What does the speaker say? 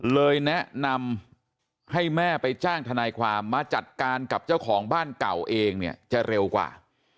เลยแนะนำให้แม่ไปจ้างทนายความมาจัดการกับเจ้าของบ้านเก่าเองเนี่ยจะเร็วกว่า